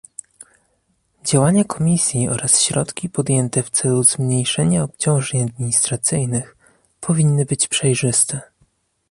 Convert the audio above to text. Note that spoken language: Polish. Działania Komisji oraz środki podjęte w celu zmniejszenia obciążeń administracyjnych powinny być przejrzyste